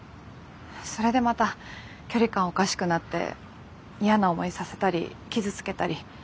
それでまた距離感おかしくなって嫌な思いさせたり傷つけたり。